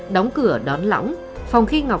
đóng cửa đón lõng phòng khi ngọc